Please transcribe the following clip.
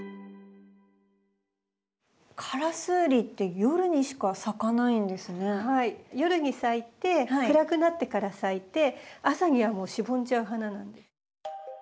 夜に咲いて暗くなってから咲いて朝にはもうしぼんじゃう花なんです。